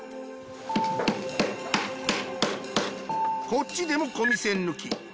こっちでも込み栓抜き。